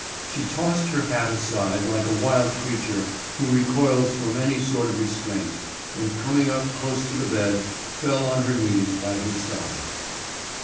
She tossed her hat aside like a wild creature who recoils from any sort of restraint, and coming up close to the bed, fell on her knees by his side.